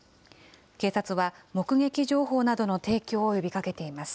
警察は、目撃情報などの提供を呼びかけています。